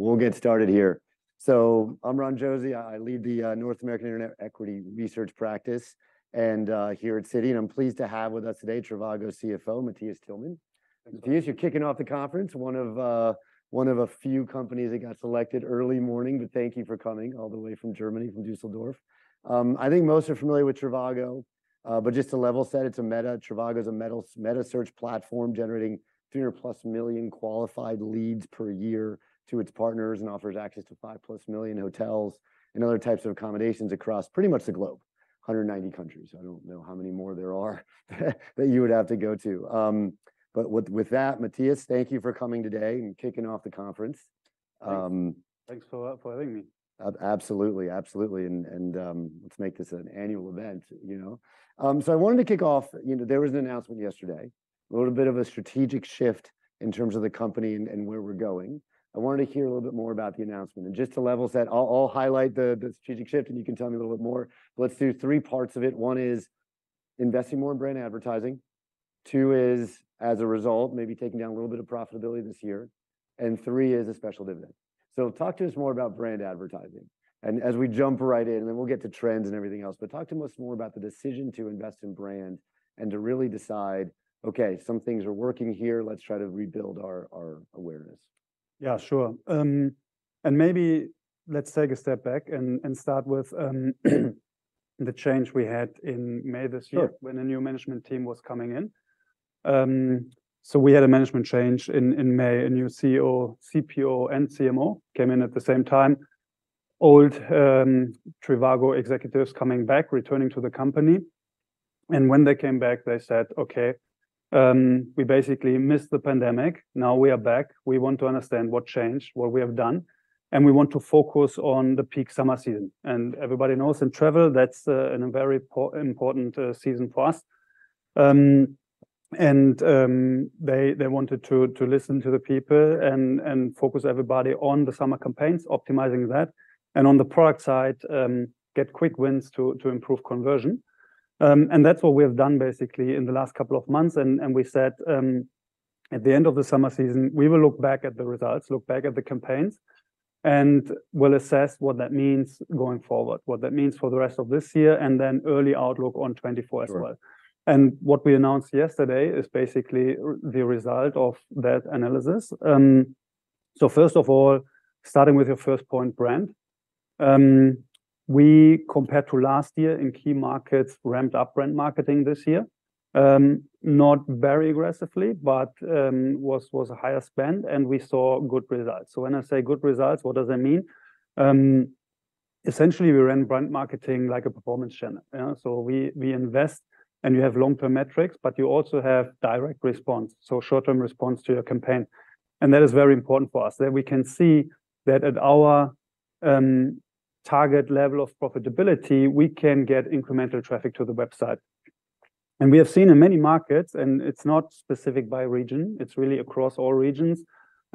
So we'll get started here. So I'm Ron Josey. I lead the North American Internet Equity Research practice and here at Citi, and I'm pleased to have with us today trivago CFO, Matthias Tillmann. Thank you. Matthias, you're kicking off the conference. One of a few companies that got selected early morning, but thank you for coming all the way from Germany, from Düsseldorf. I think most are familiar with trivago, but just to level set, it's a metasearch platform, generating 300+ million qualified leads per year to its partners and offers access to 5+ million hotels and other types of accommodations across pretty much the globe. 190 countries. I don't know how many more there are, that you would have to go to. But with that, Matthias, thank you for coming today and kicking off the conference. Thanks so much for having me. Absolutely. Absolutely. And, and, let's make this an annual event, you know? So I wanted to kick off, you know, there was an announcement yesterday, a little bit of a strategic shift in terms of the company and, and where we're going. I wanted to hear a little bit more about the announcement. And just to level set, I'll highlight the strategic shift, and you can tell me a little bit more. But let's do three parts of it. One is investing more in brand advertising. Two is, as a result, maybe taking down a little bit of profitability this year. And three is a special dividend. So talk to us more about brand advertising. As we jump right in, and then we'll get to trends and everything else, but talk to us more about the decision to invest in brand and to really decide, "Okay, some things are working here, let's try to rebuild our, our awareness. Yeah, sure. And maybe let's take a step back and start with the change we had in May this year- Sure... when a new management team was coming in. So we had a management change in May. A new CEO, CPO, and CMO came in at the same time. Old trivago executives coming back, returning to the company. And when they came back, they said, "Okay, we basically missed the pandemic. Now we are back. We want to understand what changed, what we have done, and we want to focus on the peak summer season." And everybody knows in travel, that's a very important season for us. And they wanted to listen to the people and focus everybody on the summer campaigns, optimizing that, and on the product side, get quick wins to improve conversion. And that's what we have done basically in the last couple of months. We said at the end of the summer season, we will look back at the results, look back at the campaigns, and we'll assess what that means going forward, what that means for the rest of this year, and then early outlook on 2024 as well. Sure. What we announced yesterday is basically the result of that analysis. So first of all, starting with your first point, brand. We compared to last year in key markets, ramped up brand marketing this year. Not very aggressively, but was a higher spend, and we saw good results. So when I say good results, what does that mean? Essentially, we ran brand marketing like a performance channel. Yeah, so we invest, and you have long-term metrics, but you also have direct response, so short-term response to your campaign. And that is very important for us, that we can see that at our target level of profitability, we can get incremental traffic to the website. We have seen in many markets, and it's not specific by region, it's really across all regions,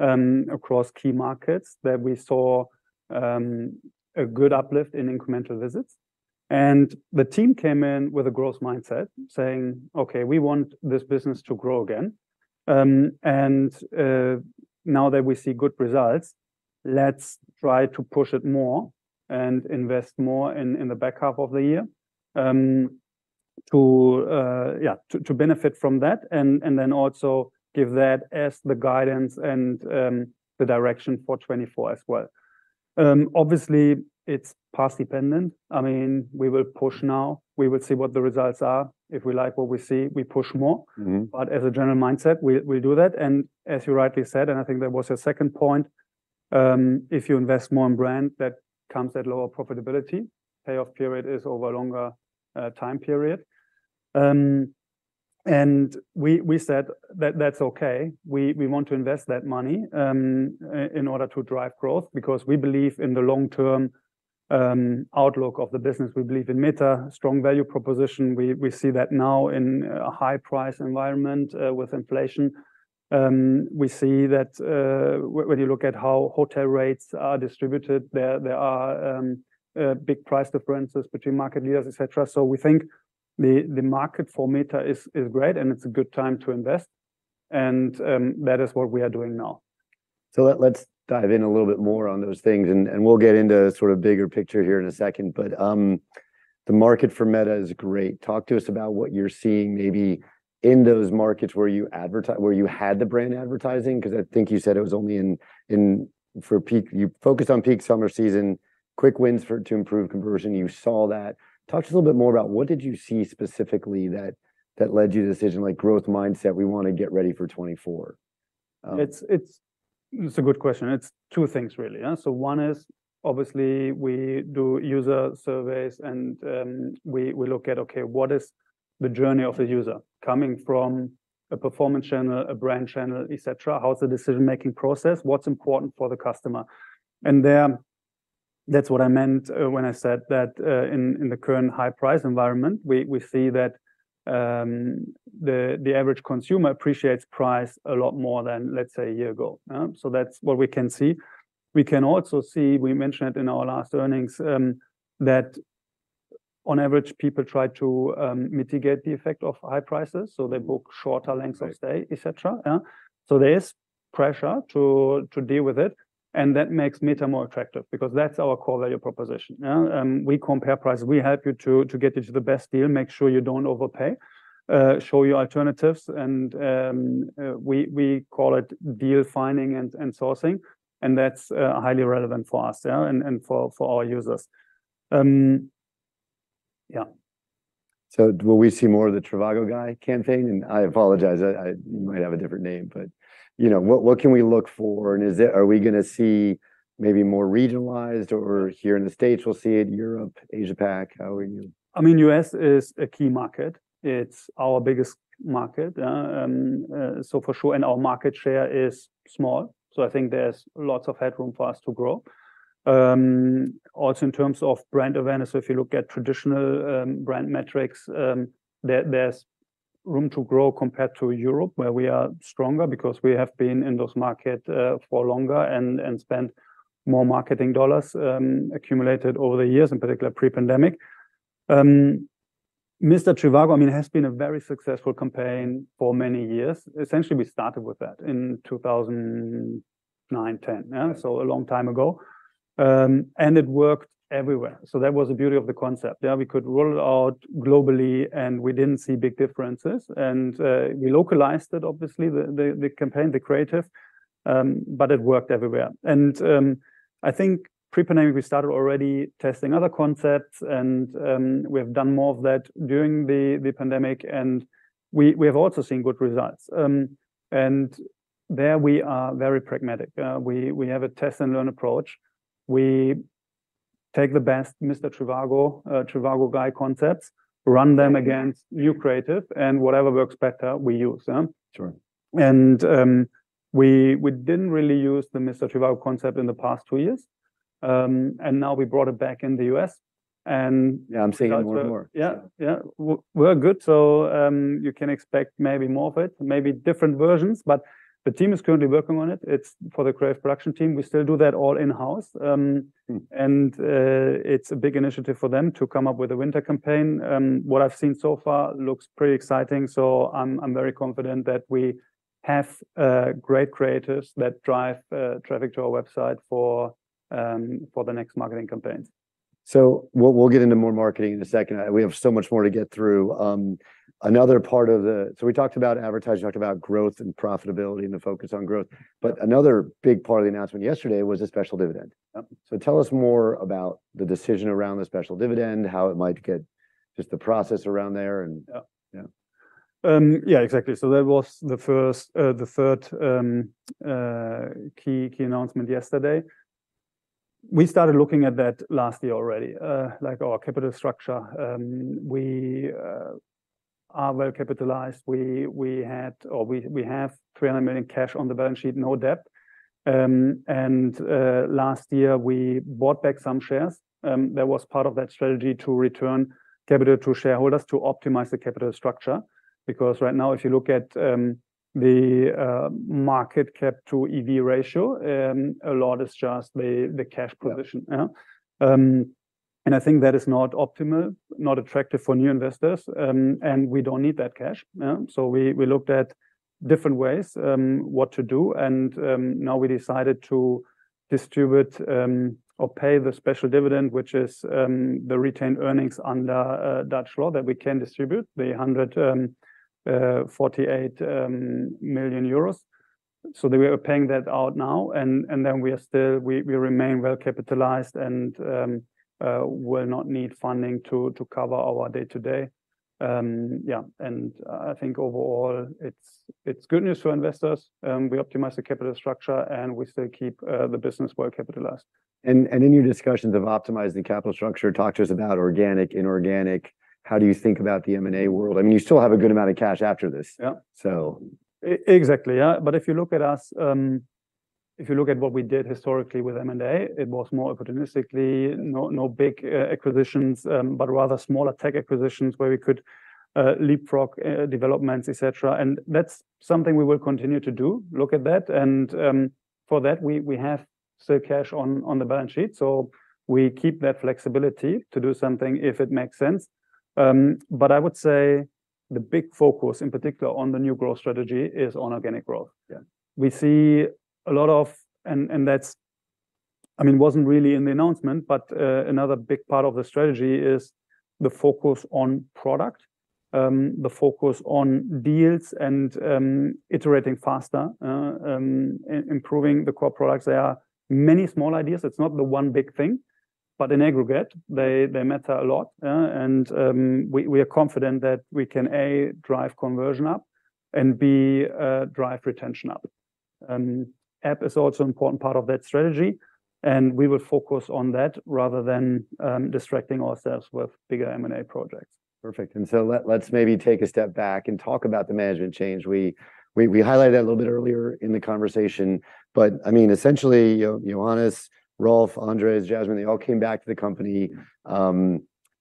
across key markets, that we saw a good uplift in incremental visits. The team came in with a growth mindset, saying, "Okay, we want this business to grow again," and now that we see good results, let's try to push it more and invest more in the back half of the year, to benefit from that, and then also give that as the guidance and the direction for 2024 as well. Obviously, it's path dependent. I mean, we will push now. We will see what the results are. If we like what we see, we push more. Mm-hmm. But as a general mindset, we do that, and as you rightly said, and I think that was a second point, if you invest more in brand, that comes at lower profitability. Payoff period is over a longer time period. And we said that that's okay. We want to invest that money in order to drive growth, because we believe in the long-term outlook of the business. We believe in meta, strong value proposition. We see that now in a high-price environment with inflation. We see that when you look at how hotel rates are distributed, there are big price differences between market leaders, et cetera. So we think the market for meta is great, and it's a good time to invest. And that is what we are doing now. So, let's dive in a little bit more on those things, and we'll get into sort of bigger picture here in a second. But the market for metasearch is great. Talk to us about what you're seeing maybe in those markets where you had the brand advertising, 'cause I think you said it was only in for peak. You focused on peak summer season, quick wins to improve conversion. You saw that. Talk to us a little bit more about what did you see specifically that led you to the decision, like, growth mindset, we want to get ready for 2024? It's a good question. It's two things, really, yeah? So one is, obviously, we do user surveys, and we look at what is the journey of the user coming from a performance channel, a brand channel, et cetera? How is the decision-making process? What's important for the customer? And then that's what I meant when I said that in the current high-price environment, we see that the average consumer appreciates price a lot more than, let's say, a year ago. So that's what we can see. We can also see, we mentioned it in our last earnings, that on average, people try to mitigate the effect of high prices, so they book shorter lengths of stay- Right. Et cetera, yeah? So there is pressure to deal with it, and that makes metasearch more attractive, because that's our core value proposition, yeah? We compare prices. We help you to get you to the best deal, make sure you don't overpay, show you alternatives, and we call it deal finding and sourcing, and that's highly relevant for us, yeah, and for our users. Yeah. So will we see more of the trivago guy campaign? And I apologize, I, he might have a different name, but, you know, what can we look for, and are we gonna see maybe more regionalized, or here in the States, we'll see it, Europe, Asia-Pac, how are you? I mean, U.S. is a key market. It's our biggest market. So for sure, and our market share is small, so I think there's lots of headroom for us to grow. Also in terms of brand awareness, so if you look at traditional brand metrics, there's room to grow compared to Europe, where we are stronger because we have been in those markets for longer and spent more marketing dollars accumulated over the years, in particular, pre-pandemic. Mr. trivago, I mean, has been a very successful campaign for many years. Essentially, we started with that in 2009-10, yeah, so a long time ago. And it worked everywhere. So that was the beauty of the concept, yeah? We could roll it out globally, and we didn't see big differences. And, we localized it, obviously, the campaign, the creative, but it worked everywhere. And, I think pre-pandemic, we started already testing other concepts, and, we have done more of that during the pandemic, and we have also seen good results. And there we are very pragmatic. We have a test and learn approach. We take the best Mr. trivago, trivago guy concepts, run them against- Right. New creative, and whatever works better, we use, yeah? Sure. We didn't really use the Mr. trivago concept in the past two years. Now we brought it back in the U.S., and- Yeah, I'm seeing it more and more. Yeah. Yeah, we're good, so, you can expect maybe more of it, maybe different versions, but the team is currently working on it. It's for the creative production team. We still do that all in-house. Mm. It's a big initiative for them to come up with a winter campaign. What I've seen so far looks pretty exciting, so I'm, I'm very confident that we have great creatives that drive traffic to our website for, for the next marketing campaigns. So we'll get into more marketing in a second. We have so much more to get through. Another part of the... So we talked about advertising, we talked about growth and profitability and the focus on growth, but another big part of the announcement yesterday was a special dividend. Yep. Tell us more about the decision around the special dividend, how it might get, just the process around there, and- Yeah. Yeah. Yeah, exactly. So that was the third key announcement yesterday. We started looking at that last year already, like our capital structure. We are well capitalized. We had, or we have 300 million cash on the balance sheet, no debt. And last year, we bought back some shares. That was part of that strategy to return capital to shareholders to optimize the capital structure. Because right now, if you look at the market cap to EV ratio, a lot is just the cash position. Yeah. Yeah. And I think that is not optimal, not attractive for new investors, and we don't need that cash. Yeah? So we looked at different ways what to do, and now we decided to distribute or pay the special dividend, which is the retained earnings under Dutch law, that we can distribute, 148 million euros. So we are paying that out now, and then we are still, we remain well capitalized and will not need funding to cover our day-to-day. Yeah, and I think overall it's good news for investors. We optimize the capital structure, and we still keep the business well capitalized. In your discussions of optimizing capital structure, talk to us about organic, inorganic. How do you think about the M&A world? I mean, you still have a good amount of cash after this. Yeah. So. Exactly, yeah. But if you look at us, if you look at what we did historically with M&A, it was more opportunistically, no, no big acquisitions, but rather smaller tech acquisitions where we could leapfrog developments, et cetera. And that's something we will continue to do, look at that. And for that, we have still cash on the balance sheet, so we keep that flexibility to do something if it makes sense. But I would say the big focus, in particular on the new growth strategy, is on organic growth. Yeah. We see a lot of... and that's, I mean, wasn't really in the announcement, but another big part of the strategy is the focus on product, the focus on deals and iterating faster, improving the core products. There are many small ideas. It's not the one big thing, but in aggregate, they matter a lot, and we are confident that we can, A, drive conversion up, and B, drive retention up. App is also an important part of that strategy, and we will focus on that rather than distracting ourselves with bigger M&A projects. Perfect. So let's maybe take a step back and talk about the management change. We highlighted that a little bit earlier in the conversation, but I mean, essentially, Johannes, Rolf, Andrej, Jasmine, they all came back to the company.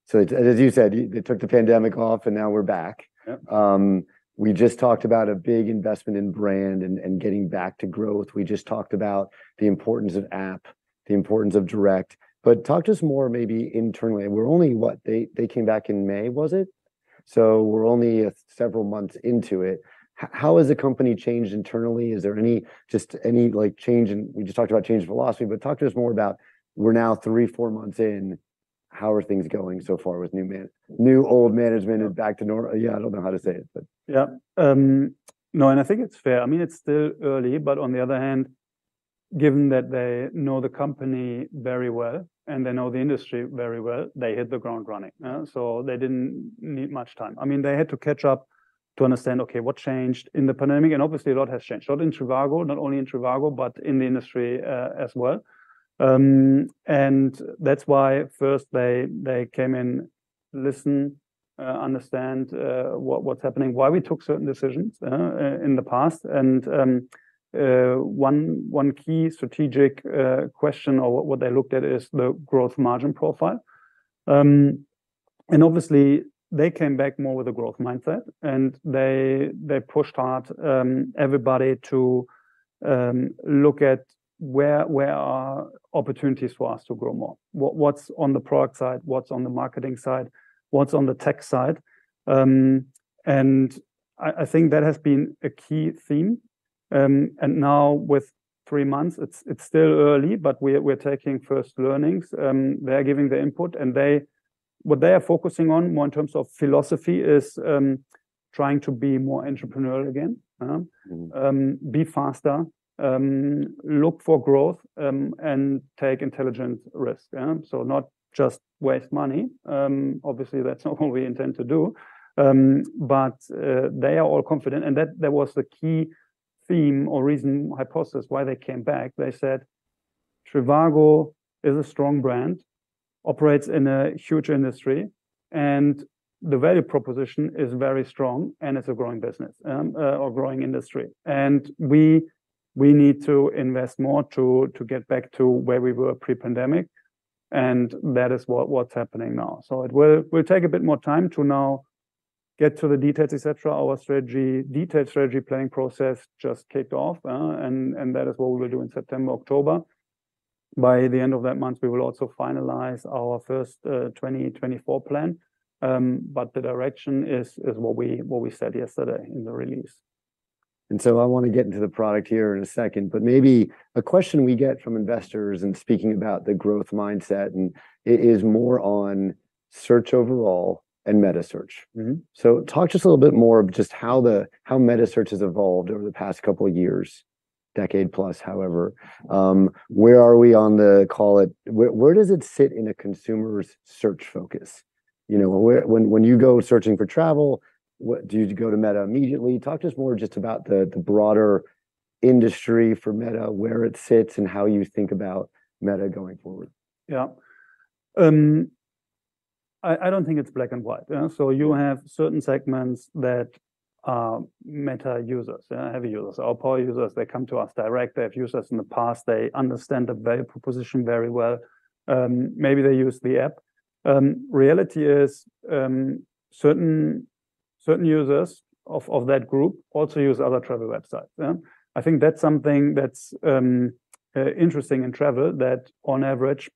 So as you said, they took the pandemic off, and now we're back. Yep. We just talked about a big investment in brand and, and getting back to growth. We just talked about the importance of app, the importance of direct. But talk to us more, maybe internally. We're only what? They, they came back in May, was it? So we're only several months into it. How has the company changed internally? Is there any, just any, like, change in—we just talked about change in philosophy, but talk to us more about we're now three, four months in, how are things going so far with new, new old management is back to normal. Yeah, I don't know how to say it, but. Yeah. No, and I think it's fair. I mean, it's still early, but on the other hand, given that they know the company very well and they know the industry very well, they hit the ground running, so they didn't need much time. I mean, they had to catch up to understand, okay, what changed in the pandemic? And obviously, a lot has changed, not in trivago, not only in trivago, but in the industry, as well. And that's why first they came in, listen, understand, what, what's happening, why we took certain decisions, in the past. And one key strategic question or what they looked at is the growth margin profile. And obviously they came back more with a growth mindset, and they pushed hard, everybody to look at where are opportunities for us to grow more? What's on the product side? What's on the marketing side? What's on the tech side? And I think that has been a key theme. And now with three months, it's still early, but we're taking first learnings. They are giving their input, and they—what they are focusing on more in terms of philosophy is, trying to be more entrepreneurial again. Mm-hmm. Be faster, look for growth, and take intelligent risk, so not just waste money. Obviously, that's not what we intend to do. But they are all confident, and that was the key theme or reason, hypothesis why they came back. They said, trivago is a strong brand, operates in a huge industry, and the value proposition is very strong and it's a growing business, or growing industry. We need to invest more to get back to where we were pre-pandemic, and that is what's happening now. So it will take a bit more time to now get to the details, et cetera. Our strategy- detailed strategy planning process just kicked off, and that is what we will do in September, October. By the end of that month, we will also finalize our first 2024 plan. But the direction is what we said yesterday in the release. And so I want to get into the product here in a second, but maybe a question we get from investors, speaking about the growth mindset, and it is more on search overall and meta search. Mm-hmm. So talk to us a little bit more of just how the, how metasearch has evolved over the past couple of years, decade plus, however. Where are we on the, call it... Where, where does it sit in a consumer's search focus? You know, where, when, when you go searching for travel, what, do you go to metasearch immediately? Talk to us more just about the, the broader industry for metasearch, where it sits, and how you think about metasearch going forward. Yeah. I don't think it's black and white, yeah. So you have certain segments that are meta users, heavy users or poor users. They come to us direct. They have used us in the past. They understand the value proposition very well. Maybe they use the app. Reality is, certain users of that group also use other travel websites, yeah? I think that's something that's interesting in travel, that on average,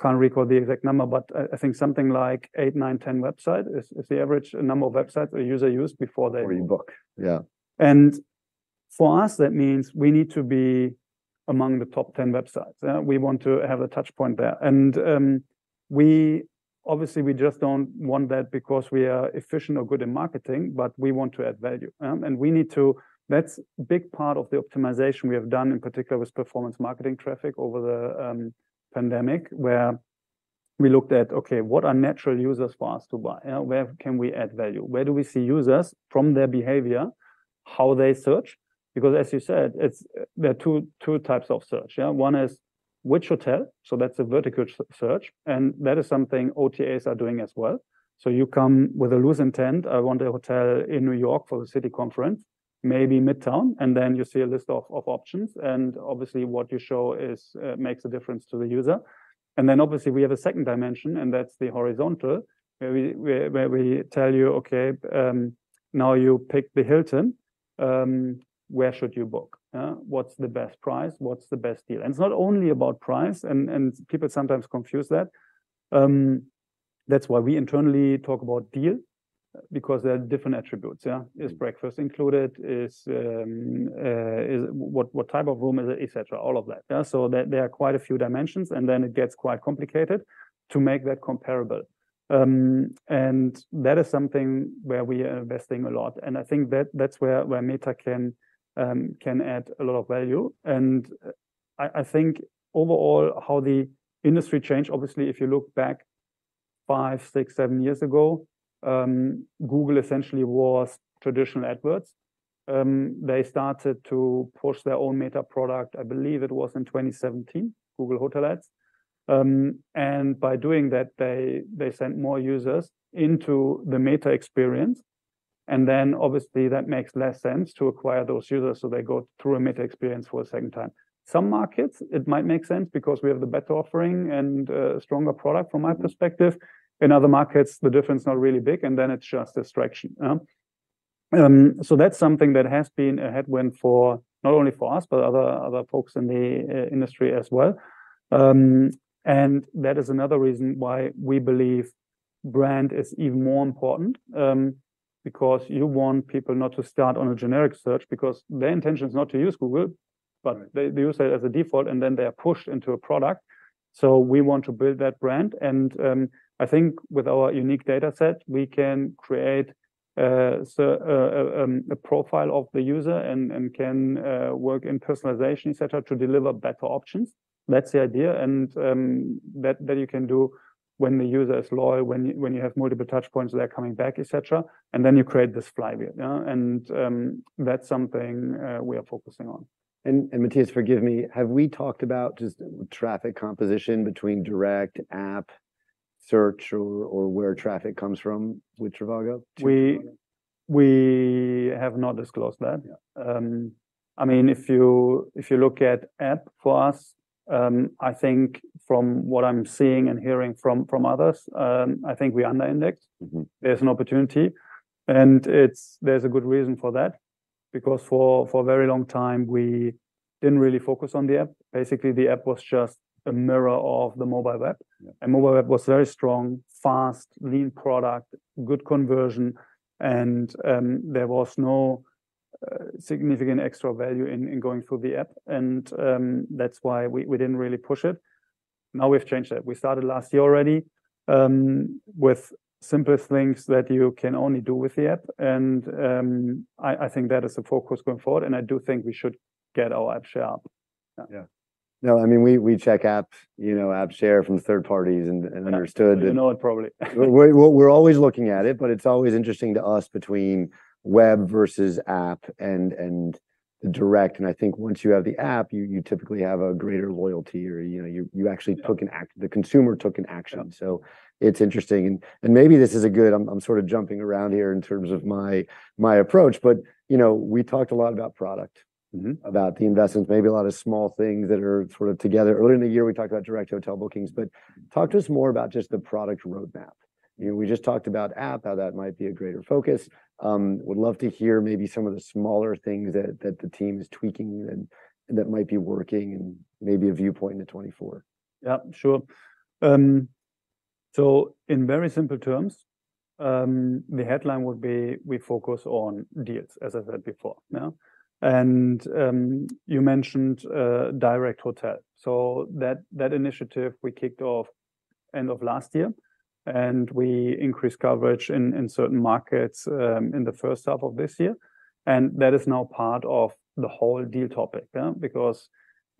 can't recall the exact number, but I think something like eight, nine, ten website is the average number of websites a user use before they- Before you book. Yeah. For us, that means we need to be among the top 10 websites. We want to have a touch point there. Obviously, we just don't want that because we are efficient or good in marketing, but we want to add value. We need to... That's a big part of the optimization we have done, in particular with performance marketing traffic over the pandemic, where we looked at, okay, what are natural users for us to buy? Where can we add value? Where do we see users from their behavior, how they search? Because as you said, it's there are two types of search. Yeah. One is which hotel, so that's a vertical search, and that is something OTAs are doing as well. So you come with a loose intent, "I want a hotel in New York for the city conference, maybe Midtown," and then you see a list of options, and obviously what you show makes a difference to the user. And then obviously we have a second dimension, and that's the horizontal, where we tell you, "Okay, now you picked the Hilton, where should you book?" What's the best price? What's the best deal? And it's not only about price, and people sometimes confuse that. That's why we internally talk about deal, because there are different attributes. Yeah. Mm-hmm. Is breakfast included? What type of room is it? Et cetera. All of that. So there are quite a few dimensions, and then it gets quite complicated to make that comparable. And that is something where we are investing a lot, and I think that's where meta can add a lot of value. And I think overall, how the industry changed, obviously, if you look back five, six, seven years ago, Google essentially was traditional AdWords. They started to push their own meta product, I believe it was in 2017, Google Hotel Ads. And by doing that, they sent more users into the meta experience, and then obviously that makes less sense to acquire those users, so they go through a meta experience for a second time. Some markets, it might make sense because we have the better offering and stronger product from my perspective. In other markets, the difference is not really big, and then it's just distraction. So that's something that has been a headwind for, not only for us, but other, other folks in the industry as well. And that is another reason why we believe brand is even more important, because you want people not to start on a generic search, because their intention is not to use Google, but- Right... they, they use it as a default, and then they are pushed into a product. We want to build that brand. I think with our unique data set, we can create a profile of the user and can work in personalization, et cetera, to deliver better options. That's the idea. That, that you can do when the user is loyal, when you, when you have multiple touch points, they're coming back, et cetera, and then you create this flywheel, yeah? That's something we are focusing on. And, Matthias, forgive me, have we talked about just traffic composition between direct app search or where traffic comes from with trivago? We have not disclosed that. Yeah. I mean, if you look at app for us, I think from what I'm seeing and hearing from others, I think we are under indexed. Mm-hmm. There's an opportunity, and there's a good reason for that, because for a very long time, we didn't really focus on the app. Basically, the app was just a mirror of the mobile web. Yeah. Mobile web was very strong, fast, lean product, good conversion, and there was no significant extra value in going through the app. That's why we didn't really push it. Now we've changed that. We started last year already with simpler things that you can only do with the app, and I think that is the focus going forward, and I do think we should get our app share up. Yeah. Yeah. No, I mean, we check apps, you know, app share from third parties and understood that- You know it probably. We're always looking at it, but it's always interesting to us between web versus app and direct. And I think once you have the app, you typically have a greater loyalty or, you know, you actually- Yeah... took an act. The consumer took an action. Yeah. It's interesting. Maybe this is a good... I'm sort of jumping around here in terms of my approach, but, you know, we talked a lot about product. Mm-hmm. About the investments, maybe a lot of small things that are sort of together. Earlier in the year, we talked about direct hotel bookings, but talk to us more about just the product roadmap. You know, we just talked about app, how that might be a greater focus. Would love to hear maybe some of the smaller things that the team is tweaking and that might be working, and maybe a viewpoint into 2024. Yeah, sure. So in very simple terms, the headline would be, we focus on deals, as I said before, yeah? And, you mentioned, direct hotel. So that, that initiative we kicked off end of last year, and we increased coverage in, in certain markets, in the first half of this year. And that is now part of the whole deal topic, yeah? Because,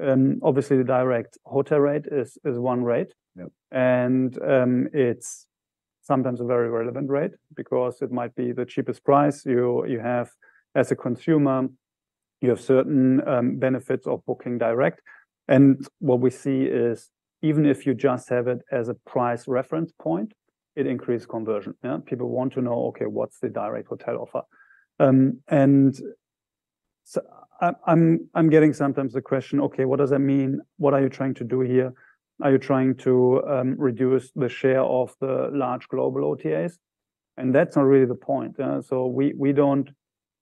obviously, the direct hotel rate is, is one rate. Yeah. It's sometimes a very relevant rate because it might be the cheapest price you have. As a consumer, you have certain benefits of booking direct. And what we see is, even if you just have it as a price reference point, it increases conversion. Yeah. People want to know, okay, what's the direct hotel offer? And so I'm getting sometimes the question, "Okay, what does that mean? What are you trying to do here? Are you trying to reduce the share of the large global OTAs?" And that's not really the point. So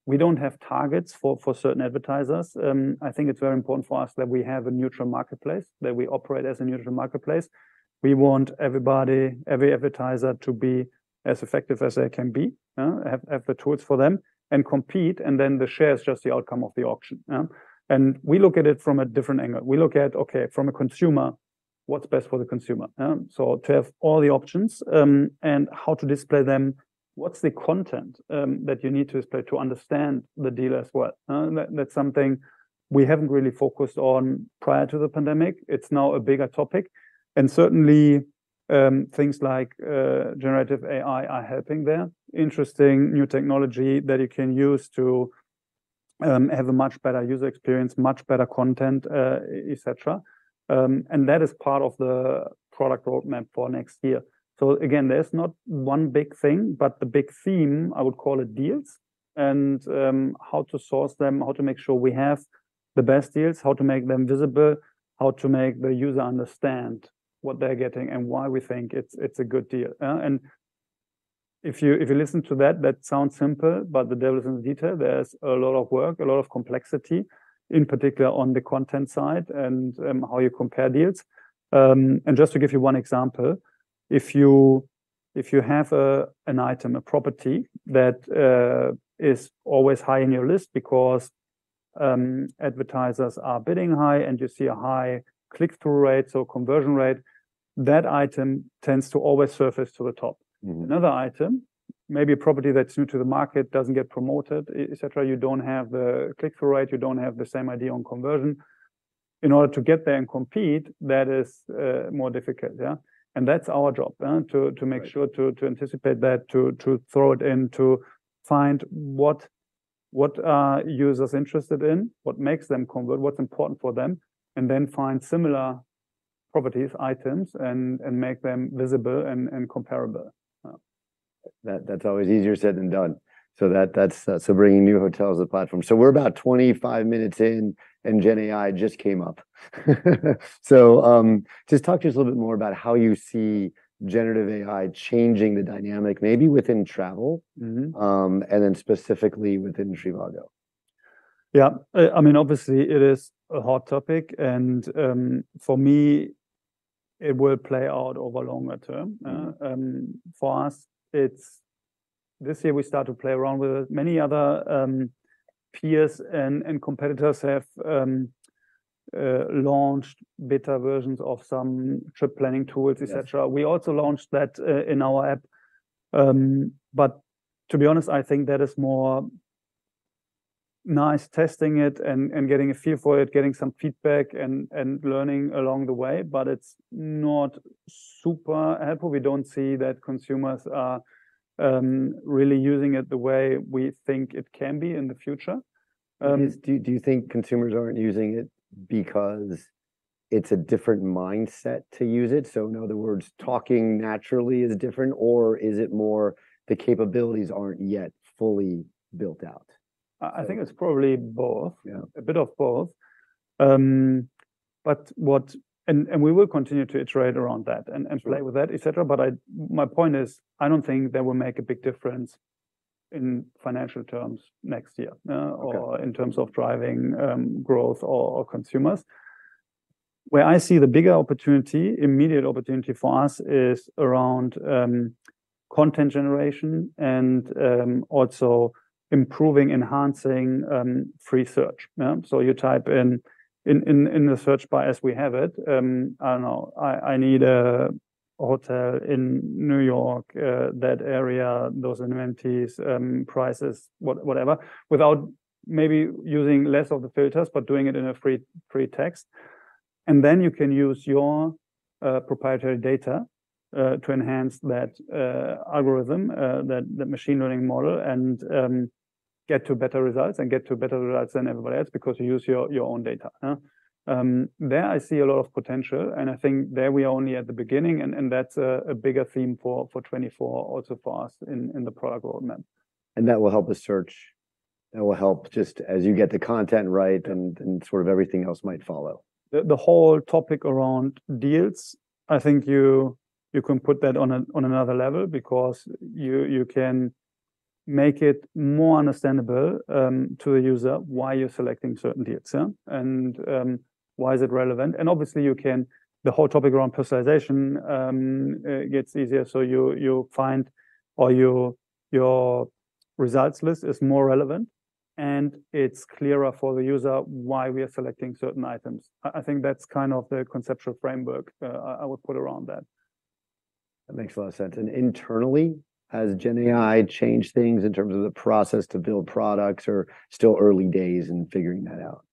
we don't have targets for certain advertisers. I think it's very important for us that we have a neutral marketplace, that we operate as a neutral marketplace. We want everybody, every advertiser to be as effective as they can be, have the tools for them and compete, and then the share is just the outcome of the auction. And we look at it from a different angle. We look at, okay, from a consumer, what's best for the consumer, so to have all the options, and how to display them, what's the content that you need to display to understand the deal as well? And that, that's something we haven't really focused on prior to the pandemic. It's now a bigger topic, and certainly, things like generative AI are helping there. Interesting new technology that you can use to have a much better user experience, much better content, et cetera. And that is part of the product roadmap for next year. So again, there's not one big thing, but the big theme, I would call it deals and how to source them, how to make sure we have the best deals, how to make them visible, how to make the user understand what they're getting and why we think it's, it's a good deal, and if you listen to that, that sounds simple, but the devil is in the detail. There's a lot of work, a lot of complexity, in particular on the content side and how you compare deals. And just to give you one example, if you have an item, a property that is always high in your list because advertisers are bidding high and you see a high click-through rate or conversion rate, that item tends to always surface to the top. Mm-hmm. Another item, maybe a property that's new to the market, doesn't get promoted, et cetera, you don't have the click-through rate, you don't have the same idea on conversion. In order to get there and compete, that is, more difficult, yeah? And that's our job. Right... to make sure, to anticipate that, to throw it in, to find what are users interested in, what makes them convert, what's important for them, and then find similar properties, items, and make them visible and comparable. That, that's always easier said than done. So that's bringing new hotels to the platform. So we're about 25 minutes in, and Gen AI just came up. So just talk to us a little bit more about how you see generative AI changing the dynamic, maybe within travel- Mm-hmm... and then specifically within trivago.... Yeah, I mean, obviously it is a hot topic, and for me, it will play out over longer term. For us, it's this year we start to play around with many other peers and competitors have launched beta versions of some trip planning tools, et cetera. Yes. We also launched that in our app. But to be honest, I think that is more nice testing it and getting a feel for it, getting some feedback, and learning along the way, but it's not super helpful. We don't see that consumers are really using it the way we think it can be in the future. Do you think consumers aren't using it because it's a different mindset to use it? So in other words, talking naturally is different, or is it more the capabilities aren't yet fully built out? I think it's probably both. Yeah. A bit of both. But what... And we will continue to iterate around that and... Sure... play with that, et cetera. But I, my point is, I don't think that will make a big difference in financial terms next year. Okay... or in terms of driving growth or consumers. Where I see the bigger opportunity, immediate opportunity for us, is around content generation and also improving, enhancing free search. Yeah, so you type in the search bar as we have it, I don't know, I need a hotel in New York, that area, those amenities, prices, whatever, without maybe using less of the filters, but doing it in a free text. And then you can use your proprietary data to enhance that algorithm, that machine learning model, and get to better results, and get to better results than everybody else because you use your own data, yeah. There I see a lot of potential, and I think there we are only at the beginning, and that's a bigger theme for 2024 also for us in the product roadmap. That will help the search, that will help just as you get the content right, and, and sort of everything else might follow. The whole topic around deals, I think you can put that on another level because you can make it more understandable to the user why you're selecting certain deals, yeah, and why is it relevant? And obviously the whole topic around personalization gets easier. So you find or your results list is more relevant, and it's clearer for the user why we are selecting certain items. I think that's kind of the conceptual framework I would put around that. That makes a lot of sense. Internally, has GenAI changed things in terms of the process to build products, or still early days in figuring that out?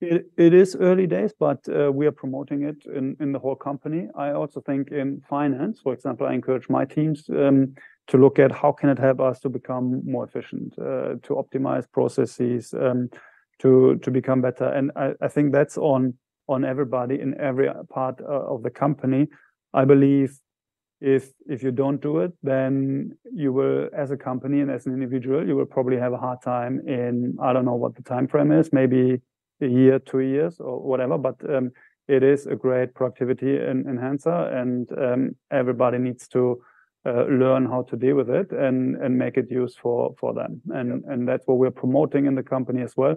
It is early days, but we are promoting it in the whole company. I also think in finance, for example, I encourage my teams to look at how can it help us to become more efficient, to optimize processes, to become better. And I think that's on everybody in every part of the company. I believe if you don't do it, then you will, as a company and as an individual, you will probably have a hard time. I don't know what the time frame is, maybe a year, two years, or whatever. But it is a great productivity enhancer, and everybody needs to learn how to deal with it, and make it useful for them. And that's what we're promoting in the company as well.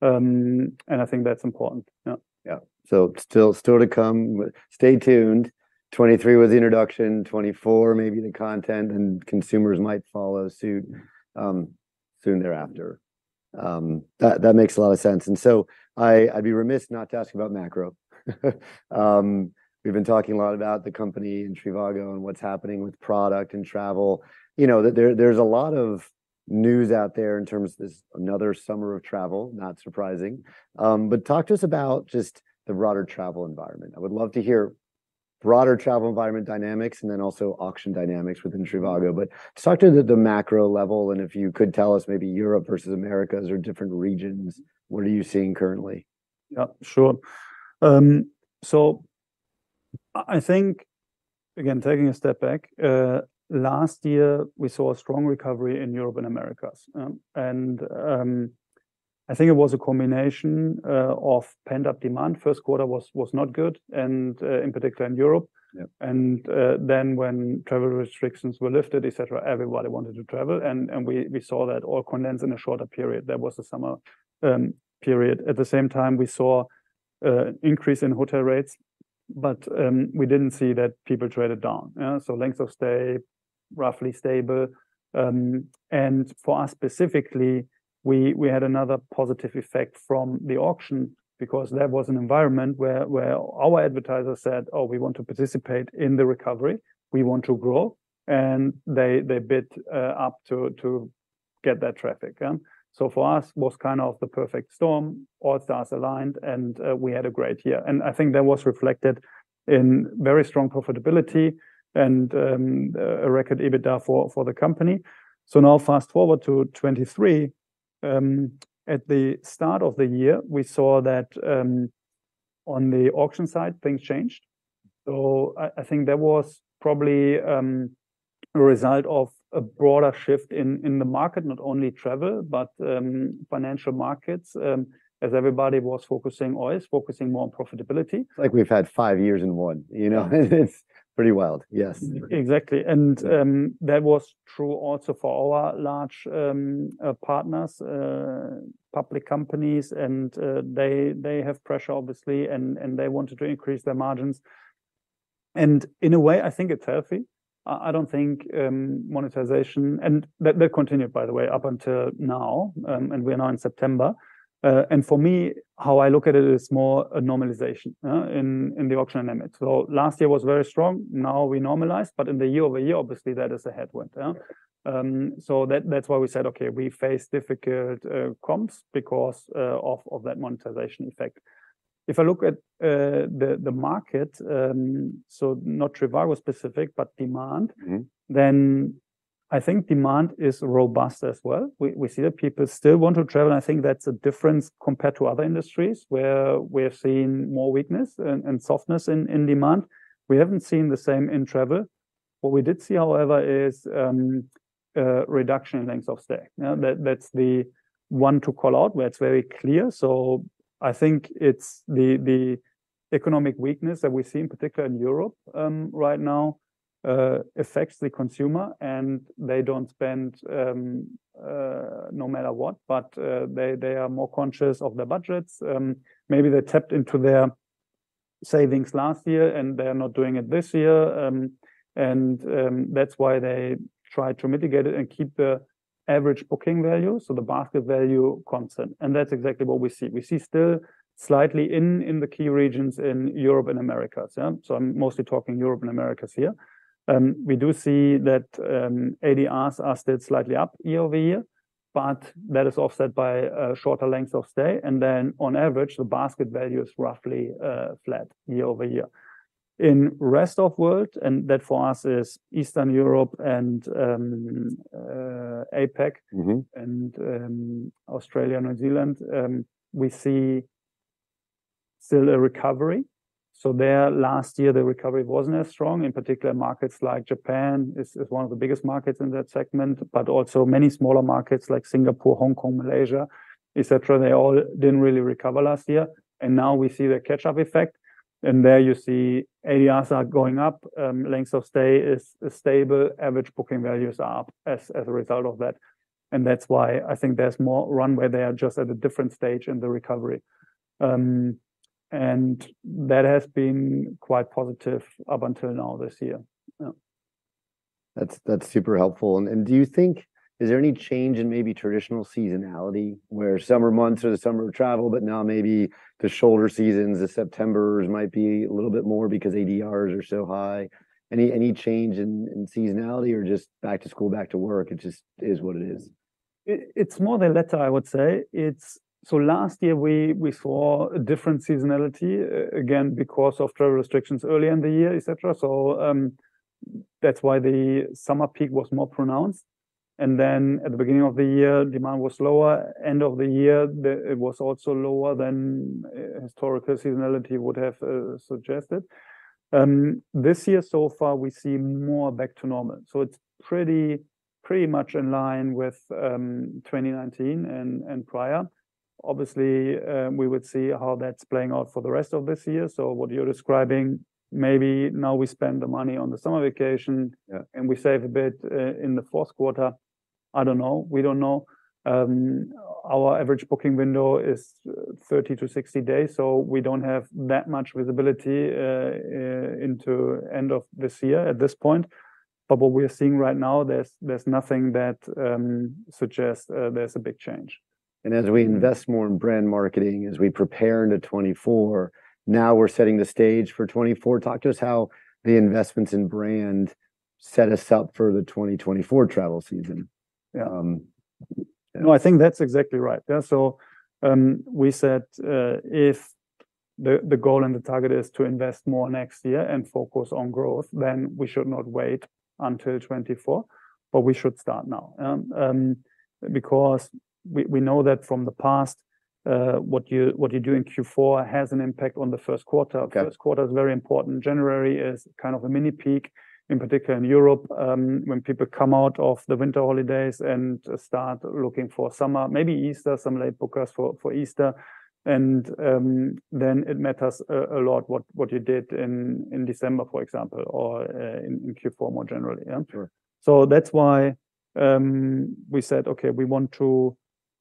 And I think that's important. Yeah. Yeah. So still to come, stay tuned. 2023 was the introduction, 2024, maybe the content and consumers might follow suit, soon thereafter. That makes a lot of sense. And so I'd be remiss not to ask you about macro. We've been talking a lot about the company and trivago, and what's happening with product and travel. You know, there's a lot of news out there in terms of this another summer of travel, not surprising. But talk to us about just the broader travel environment. I would love to hear broader travel environment dynamics, and then also auction dynamics within trivago. But start with the macro level, and if you could tell us maybe Europe versus Americas or different regions, what are you seeing currently? Yeah, sure. So I think, again, taking a step back, last year we saw a strong recovery in Europe and Americas, and I think it was a combination of pent-up demand. First quarter was not good, and in particular in Europe. Yeah. Then when travel restrictions were lifted, et cetera, everybody wanted to travel, and we saw that all condensed in a shorter period. That was the summer period. At the same time, we saw increase in hotel rates, but we didn't see that people traded down. So length of stay, roughly stable. And for us specifically, we had another positive effect from the auction because that was an environment where our advertisers said, "Oh, we want to participate in the recovery, we want to grow," and they bid up to get that traffic, yeah? So for us, was kind of the perfect storm. All stars aligned, and we had a great year. And I think that was reflected in very strong profitability and a record EBITDA for the company. So now fast-forward to 2023. At the start of the year, we saw that on the auction side, things changed. So I think there was probably a result of a broader shift in the market, not only travel, but financial markets, as everybody was focusing or is focusing more on profitability. It's like we've had 5 years in 1, you know? It's pretty wild. Yes. Exactly. And that was true also for our large partners, public companies, and they have pressure, obviously, and they wanted to increase their margins. And in a way, I think it's healthy. I don't think monetization. And that continued, by the way, up until now, and we're now in September. And for me, how I look at it is more a normalization in the auction dynamic. So last year was very strong, now we normalized, but in the year-over-year, obviously, that is a headwind, yeah? So that's why we said, okay, we face difficult comps because of that monetization effect. If I look at the market, so not trivago specific, but demand- Mm-hmm... then I think demand is robust as well. We see that people still want to travel, and I think that's a difference compared to other industries, where we're seeing more weakness and softness in demand. We haven't seen the same in travel. What we did see, however, is reduction in length of stay. Now, that's the one to call out, where it's very clear. So I think it's the economic weakness that we see, in particular in Europe, right now, affects the consumer, and they don't spend no matter what, but they are more conscious of their budgets. Maybe they tapped into their savings last year, and they are not doing it this year. That's why they try to mitigate it and keep the average booking value, so the basket value, constant. That's exactly what we see. We see still slightly in, in the key regions in Europe and Americas, yeah? So I'm mostly talking Europe and Americas here. We do see that, ADRs are still slightly up year-over-year, but that is offset by a shorter length of stay. And then, on average, the basket value is roughly, flat year-over-year. In rest of world, and that for us is Eastern Europe and, APAC- Mm-hmm... and Australia and New Zealand, we see still a recovery. So there, last year, the recovery wasn't as strong. In particular, markets like Japan is one of the biggest markets in that segment, but also many smaller markets like Singapore, Hong Kong, Malaysia, et cetera, they all didn't really recover last year, and now we see the catch-up effect. And there you see ADRs are going up, lengths of stay is stable, average booking values are up as a result of that. And that's why I think there's more runway there, just at a different stage in the recovery. And that has been quite positive up until now this year. Yeah. That's super helpful. And do you think—is there any change in maybe traditional seasonality, where summer months are the summer of travel, but now maybe the shoulder seasons, the Septembers might be a little bit more because ADRs are so high? Any change in seasonality, or just back to school, back to work, it just is what it is? It's more the latter, I would say. It's. So last year, we saw a different seasonality, again, because of travel restrictions early in the year, et cetera. So, that's why the summer peak was more pronounced, and then at the beginning of the year, demand was lower. End of the year, it was also lower than historical seasonality would have suggested. This year so far, we see more back to normal. So it's pretty much in line with 2019 and prior. Obviously, we would see how that's playing out for the rest of this year. So what you're describing, maybe now we spend the money on the summer vacation- Yeah... and we save a bit in the fourth quarter. I don't know. We don't know. Our average booking window is 30-60 days, so we don't have that much visibility into end of this year at this point. But what we are seeing right now, there's nothing that suggests there's a big change. As we invest more in brand marketing, as we prepare into 2024, now we're setting the stage for 2024. Talk to us how the investments in brand set us up for the 2024 travel season? No, I think that's exactly right. Yeah, so, we said, if the goal and the target is to invest more next year and focus on growth, then we should not wait until 2024, but we should start now. Because we know that from the past, what you do in Q4 has an impact on the first quarter. Okay. First quarter is very important. January is kind of a mini peak, in particular in Europe, when people come out of the winter holidays and start looking for summer, maybe Easter, some late bookers for Easter. And then it matters a lot what you did in December, for example, or in Q4 more generally, yeah? Sure. So that's why, we said, "Okay, we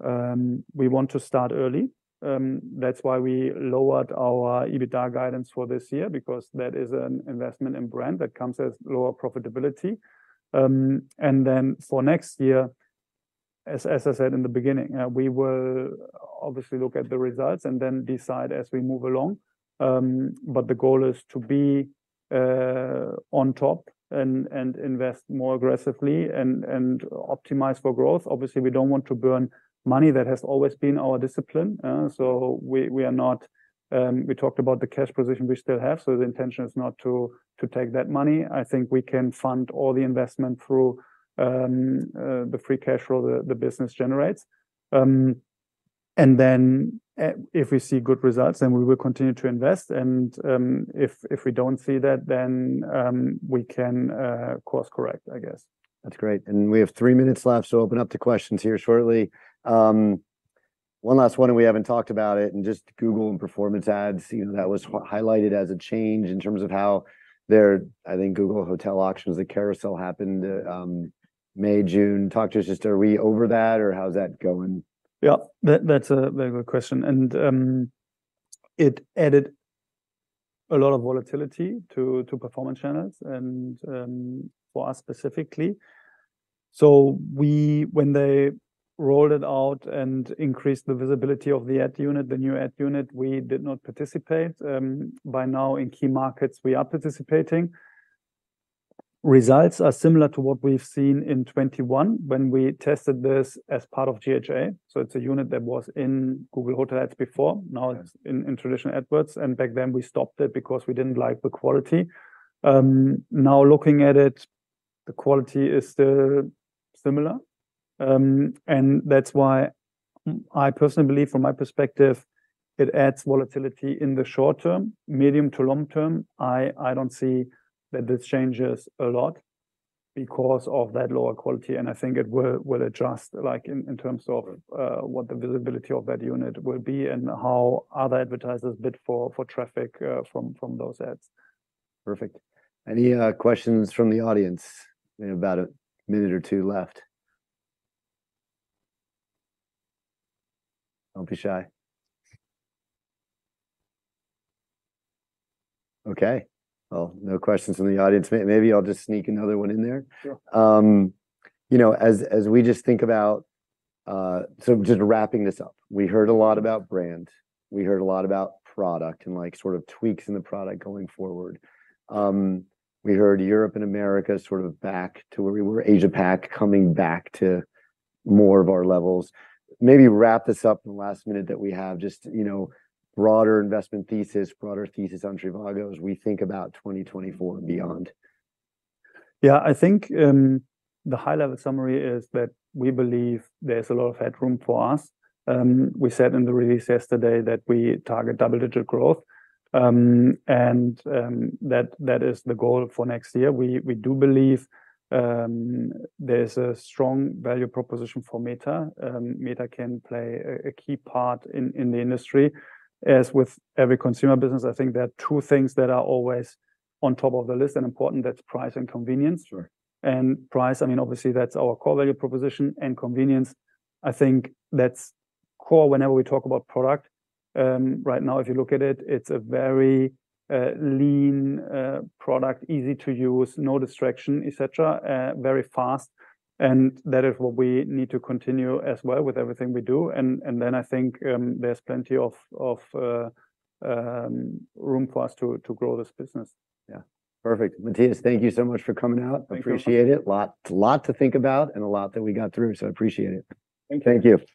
want to, we want to start early." That's why we lowered our EBITDA guidance for this year, because that is an investment in brand that comes with lower profitability. And then for next year, as, as I said in the beginning, we will obviously look at the results and then decide as we move along. But the goal is to be, on top and, and invest more aggressively and, and optimize for growth. Obviously, we don't want to burn money. That has always been our discipline, so we, we are not... We talked about the cash position we still have, so the intention is not to, to take that money. I think we can fund all the investment through, the free cash flow the, the business generates... And then, if we see good results, then we will continue to invest. And, if we don't see that, then, we can course correct, I guess. That's great. And we have three minutes left, so open up to questions here shortly. One last one, and we haven't talked about it, and just Google and performance ads, you know, that was highlighted as a change in terms of how their... I think Google Hotel auctions, the carousel happened, May, June. Talk to us, just are we over that, or how's that going? Yeah, that, that's a very good question. It added a lot of volatility to performance channels and, for us specifically. So when they rolled it out and increased the visibility of the ad unit, the new ad unit, we did not participate. By now, in key markets, we are participating. Results are similar to what we've seen in 2021 when we tested this as part of GHA. So it's a unit that was in Google Hotel Ads before, now it's in traditional AdWords, and back then we stopped it because we didn't like the quality. Now looking at it, the quality is still similar. And that's why I personally believe from my perspective, it adds volatility in the short term. Medium to long term, I don't see that this changes a lot because of that lower quality, and I think it will adjust, like, in terms of what the visibility of that unit will be and how other advertisers bid for traffic from those ads. Perfect. Any questions from the audience? We have about a minute or two left. Don't be shy. Okay, well, no questions from the audience. Maybe I'll just sneak another one in there. Sure. You know, as we just think about. So just wrapping this up, we heard a lot about brand, we heard a lot about product and, like, sort of tweaks in the product going forward. We heard Europe and America sort of back to where we were, Asia-Pac coming back to more of our levels. Maybe wrap this up in the last minute that we have, just, you know, broader investment thesis, broader thesis on trivago as we think about 2024 and beyond. Yeah. I think, the high-level summary is that we believe there's a lot of headroom for us. We said in the release yesterday that we target double-digit growth, and that is the goal for next year. We do believe, there's a strong value proposition for metasearch. Metasearch can play a key part in the industry. As with every consumer business, I think there are two things that are always on top of the list and important, that's price and convenience. Sure. Price, I mean, obviously, that's our core value proposition and convenience. I think that's core whenever we talk about product. Right now, if you look at it, it's a very lean product, easy to use, no distraction, et cetera, very fast, and that is what we need to continue as well with everything we do. Then I think there's plenty of room for us to grow this business. Yeah. Perfect. Matthias, thank you so much for coming out. Thank you. Appreciate it. A lot, a lot to think about and a lot that we got through, so I appreciate it. Thank you. Thank you.